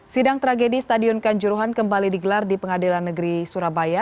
sidang tragedi stadion kanjuruhan kembali digelar di pengadilan negeri surabaya